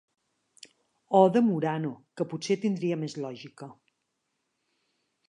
O de Murano, que potser tindria més lògica.